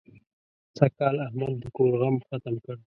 سږکال احمد د کور غم ختم کړ.